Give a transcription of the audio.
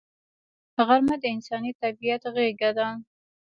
غرمه د انساني طبیعت غېږه ده